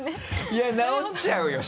いや直っちゃうよ！